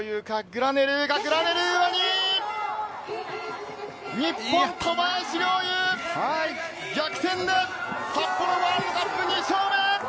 グラネルーは２位、日本・小林陵侑、逆転で札幌ワールドカップ２勝目！